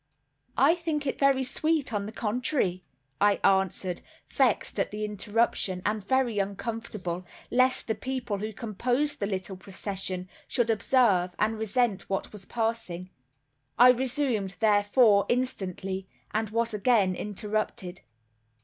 "I think it very sweet, on the contrary," I answered, vexed at the interruption, and very uncomfortable, lest the people who composed the little procession should observe and resent what was passing. I resumed, therefore, instantly, and was again interrupted.